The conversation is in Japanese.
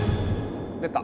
出た。